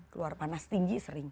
keluar panas tinggi sering